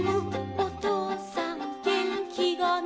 おとうさんげんきがない」